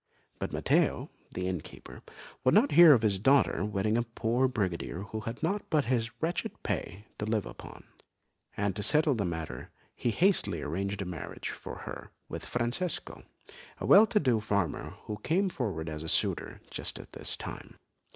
But Matteo, the inn keeper, would not hear of his daughter wedding a poor brigadier who had naught but his wretched pay to live upon, and to settle the matter he hastily arranged a marriage for her with Francesco, a well to do young farmer who came forward as a suitor just at this time.